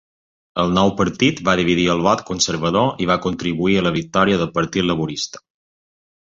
El nou partit va dividir el vot conservador i va contribuir a la victòria del partit laborista.